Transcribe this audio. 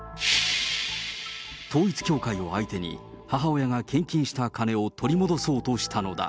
統一教会を相手に、母親が献金した金を取り戻そうとしたのだ。